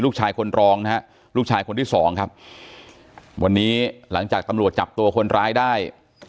ลูกชายคนรองนะฮะลูกชายคนที่สองครับวันนี้หลังจากตำรวจจับตัวคนร้ายได้